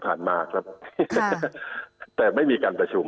ผ่านมาครับค่ะแต่ไม่มีการประชุม